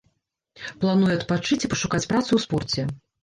Плануе адпачыць і пашукаць працу ў спорце.